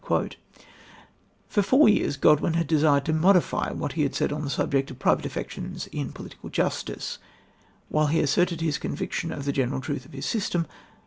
" For four years Godwin had desired to modify what he had said on the subject of private affections in Political Justice, while he asserted his conviction of the general truth of his system.